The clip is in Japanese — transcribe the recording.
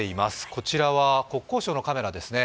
こちらは国交省のカメラですね。